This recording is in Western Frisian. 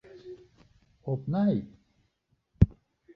Opnij.